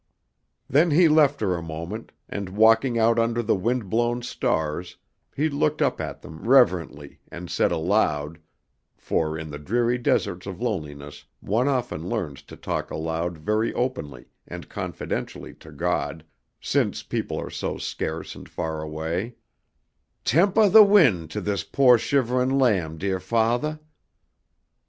Then he left her a moment, and walking out under the wind blown stars he looked up at them reverently and said aloud: (For in the dreary deserts of loneliness one often learns to talk aloud very openly and confidentially to God, since people are so scarce and far away:) "Tempah the wind to this po' shiverin' lam, deah Fathah!"